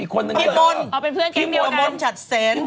ปีม่ล